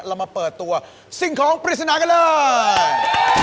เรามาเปิดตัวสิ่งของปริศนากันเลย